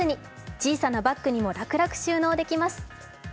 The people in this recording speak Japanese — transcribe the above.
小さなバッグにも楽々収納できます。